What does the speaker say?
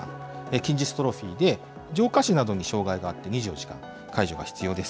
筋ジストロフィーで上下肢などに障害があって、２４時間介助が必要です。